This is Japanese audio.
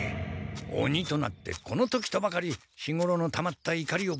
オニとなってこの時とばかり日ごろのたまったいかりを。